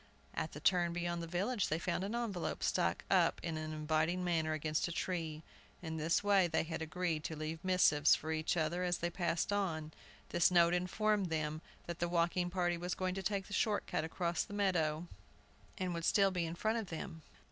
At the turn beyond the village, they found an envelope struck up in an inviting manner against a tree. In this way, they had agreed to leave missives for each other as they passed on. This note informed them that the walking party was going to take the short cut across the meadows, and would still be in front of them.